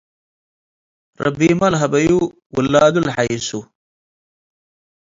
ረቢመ ለሀበዩ ውላዱ ለሐይሱ።